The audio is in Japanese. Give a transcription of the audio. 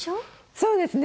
そうですね。